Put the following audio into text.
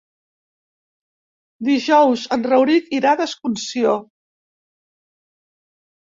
Dijous en Rauric irà d'excursió.